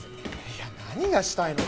いや何がしたいの？